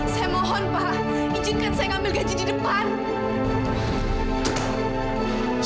saya mohon pak izinkan saya ngambil gaji di depan